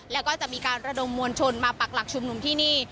แล้วก็จะมีการระดมมวลชนมาปักหลักชุมนุมที่นี่